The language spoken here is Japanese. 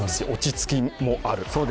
落ち着きもある。